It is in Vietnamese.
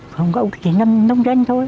không có ông ấy chỉ nâng nông doanh thôi